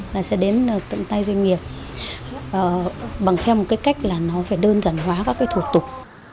là sẽ đến tận tay doanh nghiệp bằng theo một cái cách là nó phải đơn giản hóa các cái thủ tục